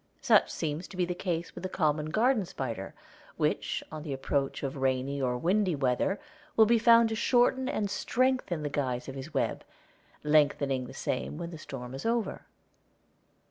Such seems to be the case with the common garden spider, which, on the approach of rainy or windy weather, will be found to shorten and strengthen the guys of his web, lengthening the same when the storm is over.